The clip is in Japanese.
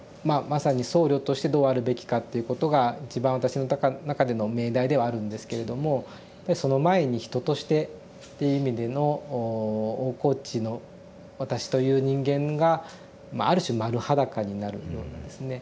まさに「僧侶としてどうあるべきか」っていうことが一番私の中での命題ではあるんですけれどもその前に人としてって意味での大河内の私という人間がある種丸裸になるようなですね